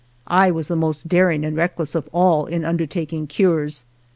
I was the most daring and reckless of all in undertaking cures.